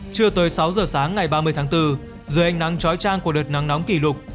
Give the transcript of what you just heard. chưa tới sáu giờ sáng ngày ba mươi tháng bốn dưới ánh nắng trói trang của đợt nắng nóng kỷ lục